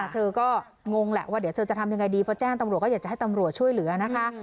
เธอก็งงแหละว่าเดี๋ยวเธอจะทำยังไงดีเพราะแจ้งตำรวจก็อยากจะให้ตำรวจช่วยเหลือนะคะ